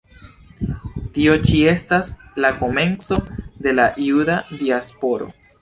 Tio ĉi estas la komenco de la Juda diasporo.